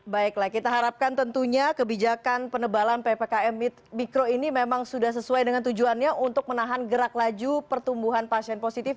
baiklah kita harapkan tentunya kebijakan penebalan ppkm mikro ini memang sudah sesuai dengan tujuannya untuk menahan gerak laju pertumbuhan pasien positif